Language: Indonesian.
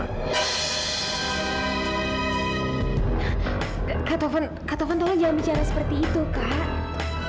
kak taufan kak taufan tolong jangan bicara seperti itu kak